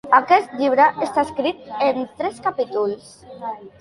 Aquest llibre està escrit en tres capítols.